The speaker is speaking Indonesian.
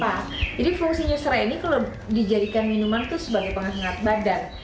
jadi fungsinya serai ini kalau dijadikan minuman itu sebagai pengangkat badan